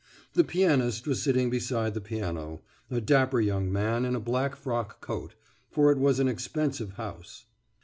The pianist was sitting beside the piano, a dapper young man in a black frock coat for it was an expensive house.